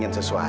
pa ini dia